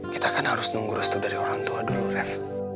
kita kan harus nunggu restu dari orang tua dulu rev